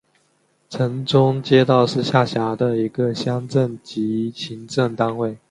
城中街道是下辖的一个乡镇级行政单位。